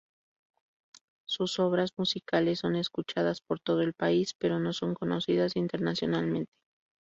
Sus obras musicales, son escuchadas por todo el país, pero no son conocidas internacionalmente.